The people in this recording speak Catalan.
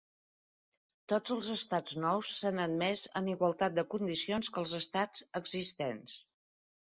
Tots els estats nous s'han admès en igualtat de condicions que els estats existents.